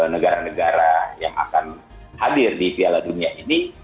negara negara yang akan hadir di piala dunia ini